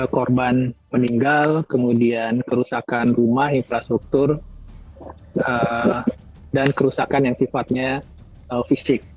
korban meninggal kemudian kerusakan rumah infrastruktur dan kerusakan yang sifatnya fisik